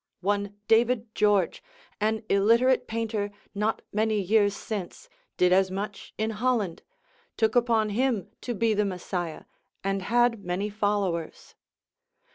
One David George, an illiterate painter, not many years since, did as much in Holland, took upon him to be the Messiah, and had many followers.